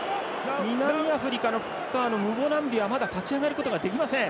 南アフリカのフッカーのムボナンビはまだ立ち上がることができません。